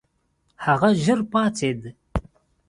هغه ژر پاڅېد.